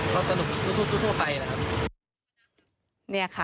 ก็สนุกทั่วไป